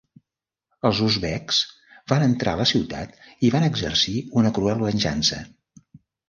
Els uzbeks van entrar a la ciutat i van exercir una cruel venjança.